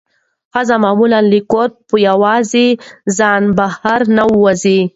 ښځې معمولا له کوره په یوازې ځان بهر نه وځي.